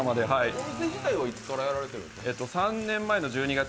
お店自体はいつからやられてるんですか？